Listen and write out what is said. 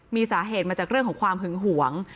มีสาเหตุมาจากเรื่องของความหึงหวง